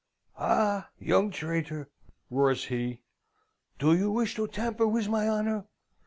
"'Ah, young traitor!' roars he, 'do you wish to tamper with my honour?